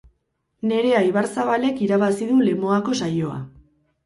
Nerea Ibarzabalek irabazi du Lemoako saioa